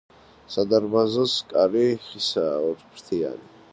სადარბაზოს კარი ხისაა, ორფრთიანი.